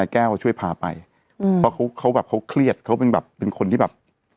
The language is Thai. แก้วช่วยพาไปอืมเพราะเขาเขาแบบเขาเครียดเขาเป็นแบบเป็นคนที่แบบ